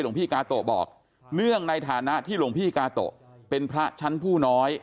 หลวงพี่กาโตะบอกเนื่องในฐานะที่หลวงพี่กาโตะเป็นพระชั้นผู้น้อย